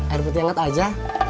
air putih hangat saja